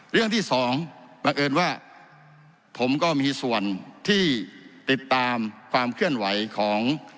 เรื่องที่สองบังเอิญว่าผมก็มีส่วนที่ติดตามความเคลื่อนไหวของ